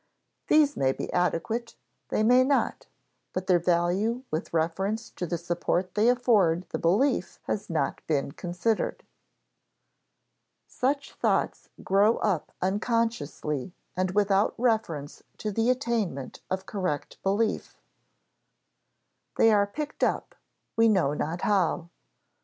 These may be adequate, they may not; but their value with reference to the support they afford the belief has not been considered. Such thoughts grow up unconsciously and without reference to the attainment of correct belief. They are picked up we know not how.